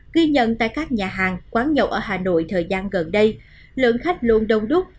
ghi nhận tại các nhà hàng quán nhậu ở hà nội thời gian gần đây lượng khách luôn đông đúc